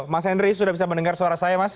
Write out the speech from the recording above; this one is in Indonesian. mas henry sudah bisa mendengar suara saya mas